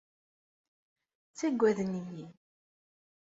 Ttagaden-iyi.